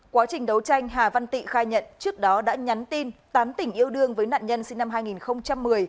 quá trình đấu tranh hà văn tị khai nhận trước đó đã nhắn tin tám tỉnh yêu đương với nạn nhân sinh năm hai nghìn một mươi